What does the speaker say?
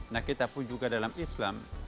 nah kita pun juga dalam islam